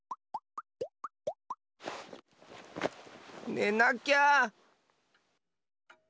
ねなきゃ。